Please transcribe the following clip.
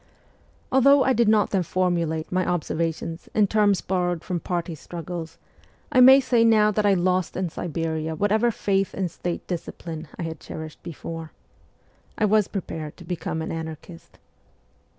Although I did not then formulate my observations in terms borrowed from party struggles, I may say now that I lost in Siberia whatever faith in State discipline I had cherished before. I was prepared to become an anarchist.